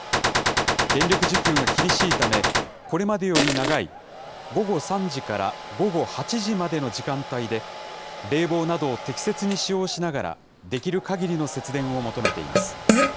電力需給が厳しいため、これまでより長い午後３時から午後８時までの時間帯で、冷房などを適切に使用しながら、できるかぎりの節電を求めています。